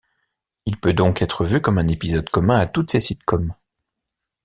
Il peut donc être vu comme un épisode commun à toutes ces sitcoms.